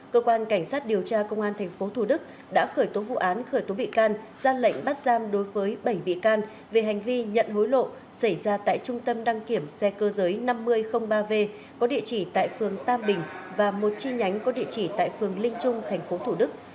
cơ quan cảnh sát điều tra công an tp thủ đức đã khởi tố vụ án khởi tố bị can ra lệnh bắt giam đối với bảy bị can về hành vi nhận hối lộ xảy ra tại trung tâm đăng kiểm xe cơ giới năm nghìn ba v có địa chỉ tại phường tam bình và một chi nhánh có địa chỉ tại phường linh trung thành phố thủ đức